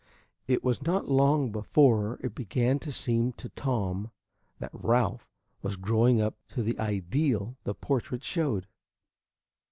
It was not long before it began to seem to Tom that Ralph was growing up to the ideal the portrait showed.